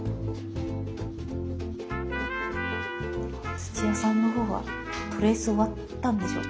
土屋さんのほうはトレース終わったんでしょうか？